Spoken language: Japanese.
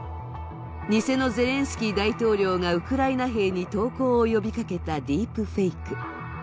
偽のゼレンスキー大統領がウクライナ兵に投降を呼びかけたディープフェイク。